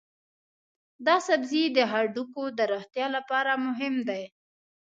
دا سبزی د هډوکو د روغتیا لپاره مهم دی.